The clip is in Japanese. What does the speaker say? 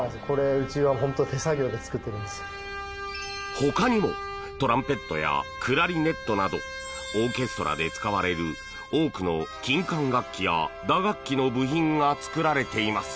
ほかにもトランペットやクラリネットなどオーケストラで使われる多くの金管楽器や打楽器の部品が作られています。